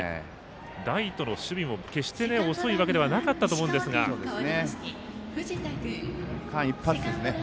ライトの守備も決して遅いわけではなかったと間一髪ですね。